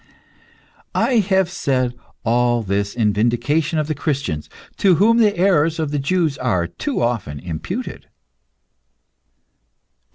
I have said all this in vindication of the Christians, to whom the errors of the Jews are too often imputed.